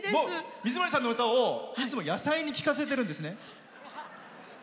水森さんの歌をいつも野菜に聴かせてるんですね。